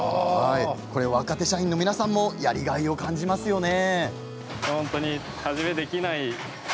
これは、若手社員の皆さんもやりがいを感じますよね。